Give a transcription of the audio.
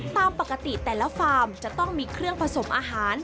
ตามปกติแต่ละฟาร์มจะต้องมีเครื่องผสมอาหาร